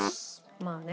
まあね。